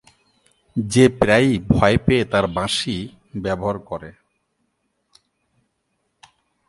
যে প্রায়ই ভয় পেয়ে তার বাঁশি ব্যবহার করে।